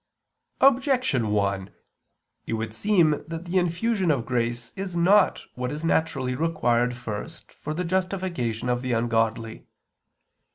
Objection 1: It would seem that the infusion of grace is not what is naturally required first for the justification of the ungodly.